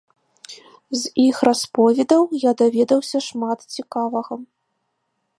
З іх расповедаў я даведаўся шмат цікавага.